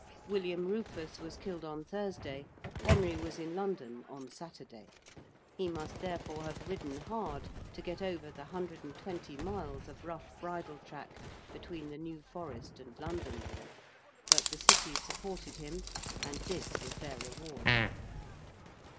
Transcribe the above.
William Rufus was killed on Thursday Henry was in London on Saturday. He must therefore have ridden hard to get over the hundred and twenty miles of rough bridle track between the New Forest and London. But the City supported him and this was their reward.